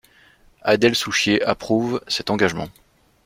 Adèle Souchier approuve cet engagement.